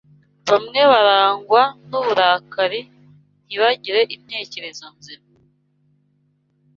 bamwe barangwa n’uburakari, ntibagire intekerezo nzima